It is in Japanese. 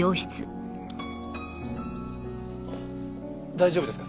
大丈夫ですか？